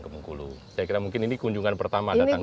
saya kira mungkin ini kunjungan pertama datang ke bung kulu